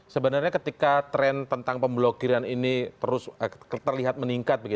sebenarnya ketika tren tentang pemblokiran ini terus terlihat meningkat